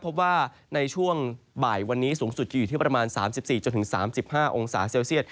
พบว่าในช่วงบ่ายวันนี้สูงสุดจะอยู่ที่ประมาณ๓๔๓๕องศาเซลเซียต